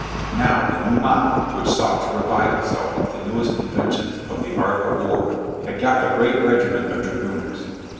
Now, the New Model, which sought to provide itself with the newest inventions of the art of war, had got a great regiment of dragooners.